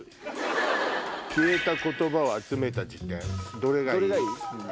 どれがいい？